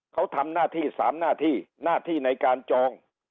เขาทำหน้าที่๓หน้าที่หน้าที่ในการจอง